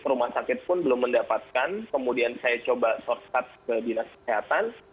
rumah sakit pun belum mendapatkan kemudian saya coba shortcut ke dinas kesehatan